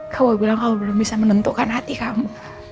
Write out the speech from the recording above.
kamu bilang kamu belum bisa menentukan hati kamu